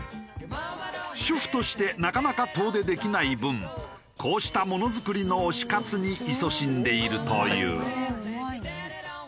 主婦としてなかなか遠出できない分こうしたものづくりの推し活にいそしんでいるという。